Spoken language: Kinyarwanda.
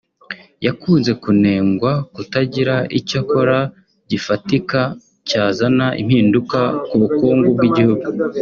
yakunze kunengwa kutagira icyo akora gifatika cyazana impinduka mu bukungu bw’igihugu